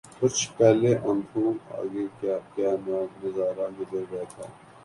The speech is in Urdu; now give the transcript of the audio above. کچھ پہلے ان آنکھوں آگے کیا کیا نہ نظارا گزرے تھا